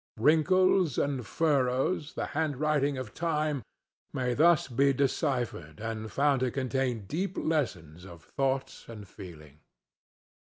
Wrinkles and furrows, the handwriting of Time, may thus be deciphered and found to contain deep lessons of thought and feeling.